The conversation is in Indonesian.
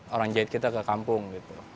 orang jahit kita ke kampung gitu